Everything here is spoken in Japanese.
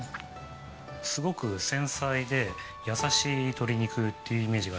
すごく繊細で優しい鶏肉っていうイメージがありましたね。